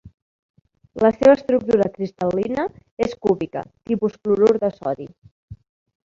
La seva estructura cristal·lina és cúbica, tipus clorur de sodi.